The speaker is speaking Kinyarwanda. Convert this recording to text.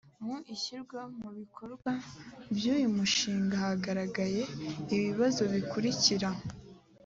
mu ishyirwa mu bikorwa by uyu mushinga hagaragaye ibibazo bikurikira